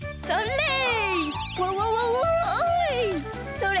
それ。